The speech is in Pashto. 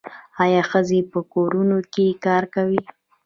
آیا ښځې په کورونو کې کار کوي؟